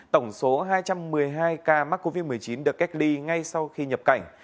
tổng số hai trăm một mươi hai ca mắc covid một mươi chín được cách ly ngay sau khi nhập cảnh